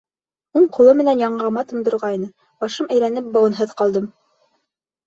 Уң ҡулы менән яңағыма тондорғайны, башым әйләнеп быуынһыҙ ҡалдым.